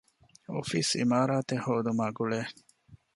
އޮފީސް އިމާރާތެއް ހޯދުމާ ގުޅޭ